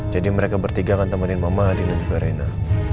jadi mereka bertiga akan temenin mama andin dan juga reina